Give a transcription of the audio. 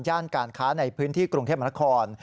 การค้าในพื้นที่กรุงเทพมนาคม